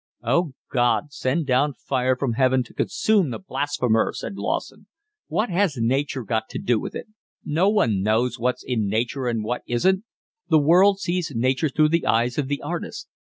"Oh, God, send down fire from heaven to consume the blasphemer," said Lawson. "What has nature got to do with it? No one knows what's in nature and what isn't! The world sees nature through the eyes of the artist.